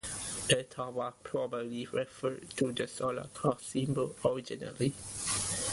"Etalwa" probably referred to the solar cross symbol originally.